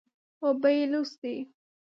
اوبه بېلوث دي.